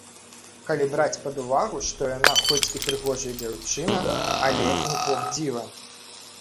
Калі браць пад увагу, што яна хоць і прыгожая дзяўчына, але не поп-дзіва.